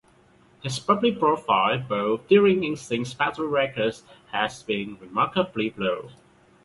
His public profile both during and since Factory Records has been remarkably low.